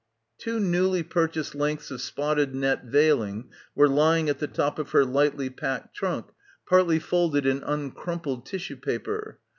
Two newly purchased lengths of spotted net veiling were lying at the top of her lightly packed trunk partly folded in uncrumpled tissue paper.